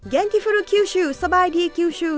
เย็นกิฟุรุคิวชูสบายดีคิวชู